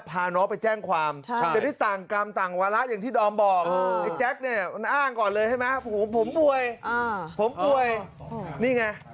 เป็นห่วงสภาพติดใจน้องนักเรียนหญิง